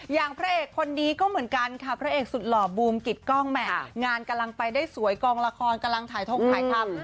อย่างพระเอกคนนี้ก็เหมือนกันค่ะพระเอกสุดหล่อบูมกิดกล้องแห่งานกำลังไปได้สวยกองละครกำลังถ่ายทงถ่ายทำ